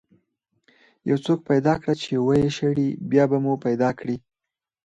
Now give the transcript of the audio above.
یو څوک پیدا کړه چې ويې شړي، بیا به مو پیدا کړي.